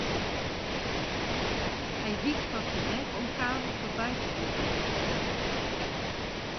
Hy wykt wat tebek om Karel foarby te litten.